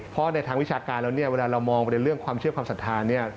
เพราะในทางวิชาการแล้วเนี่ยเวลาเรามองไปในเรื่องความเชื่อความศรัทธาเนี่ย